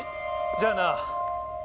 じゃあな。